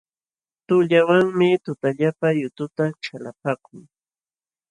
Tuqllawanmi tutallapa yututa chalapaakun.